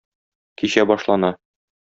Кичә башлана.